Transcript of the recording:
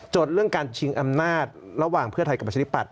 เรื่องการชิงอำนาจระหว่างเพื่อไทยกับประชาธิปัต